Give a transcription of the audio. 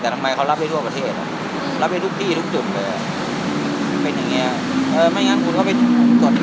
แต่ทำไมเขารับได้ทั่วประเทศรับได้ทุกที่ทุกจุด